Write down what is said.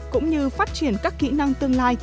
cũng như phát triển các kỹ năng tương lai